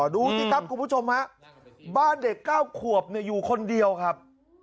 ดูสิครับคุณผู้ชมฮะบ้านเด็ก๙ขวบอยู่คนเดียวครับ